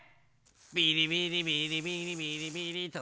ビリビリビリビリビリビリと。